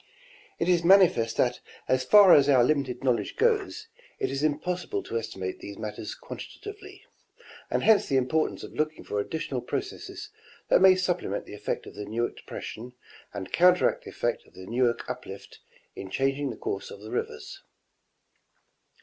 It is manifest that as far as our limited knowledge goes, it is impossible to estimate these matters quantitatively, and hence the importance of looking for additional processes that may sup plement the effect of the Newark depression and counteract the effect of the Newark uplift in changing the course of the rivers.